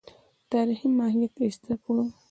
تاریخي ماهیت ایسته کړو.